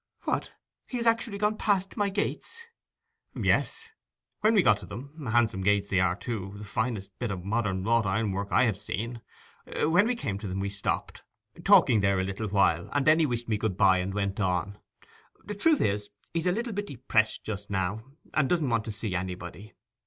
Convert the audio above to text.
'What! he has actually gone past my gates?' 'Yes. When we got to them—handsome gates they are, too, the finest bit of modern wrought iron work I have seen—when we came to them we stopped, talking there a little while, and then he wished me good bye and went on. The truth is, he's a little bit depressed just now, and doesn't want to see anybody.